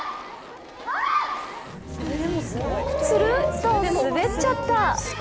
ツルンと滑っちゃった。